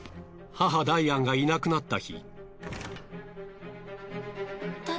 母ダイアンがいなくなった日。